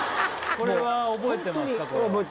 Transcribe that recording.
これは覚えてます